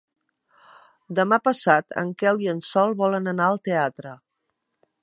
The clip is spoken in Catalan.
Demà passat en Quel i en Sol volen anar al teatre.